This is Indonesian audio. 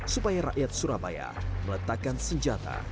supaya rakyat surabaya meletakkan senjata